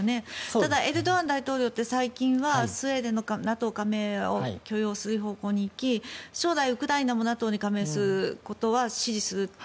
ただ、エルドアン大統領って最近はスウェーデンのＮＡＴＯ加盟を許容する方向に行き将来、ウクライナもＮＡＴＯに加盟する方向に行くことは支持すると。